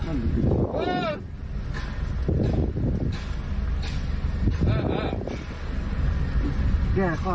เดี๋ยวเรียกรีบไปตายดีกว่า